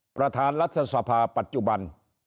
ประธานรัฐสภาปัจจุบัน